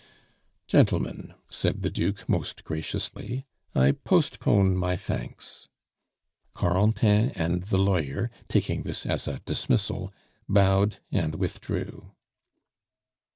"Gentlemen," said the Duke most graciously, "I postpone my thanks " Corentin and the lawyer, taking this as a dismissal, bowed, and withdrew.